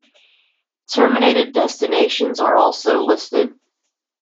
Terminated destinations are also listed.